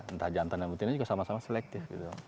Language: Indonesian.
entah jantan dan betina juga sama sama selektif